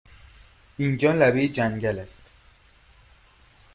اینجا لبه جنگل است!